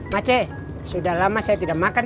aceh sudah lama saya tidak makan